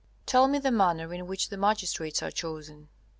Tell me the manner in which the magistrates are chosen.